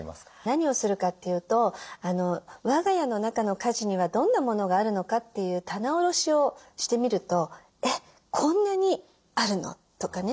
何をするかというと我が家の中の家事にはどんなものがあるのかっていう棚卸しをしてみると「えっこんなにあるの？」とかね